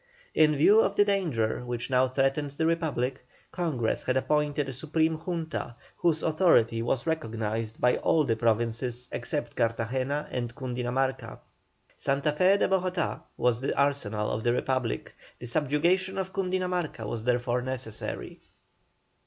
In view of the danger which now threatened the Republic, Congress had appointed a Supreme Junta, whose authority was recognised by all the provinces except Cartagena and Cundinamarca. Santa Fé de Bogotá was the arsenal of the Republic, the subjugation of Cundinamarca was therefore necessary.